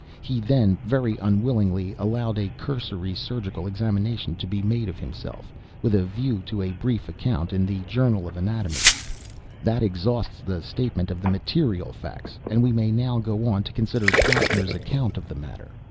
He then, very unwillingly, allowed a cursory surgical examination to be made of himself, with a view to a brief account in the Journal of Anatomy. That exhausts the statement of the material facts; and we may now go on to consider Plattner's account of the matter.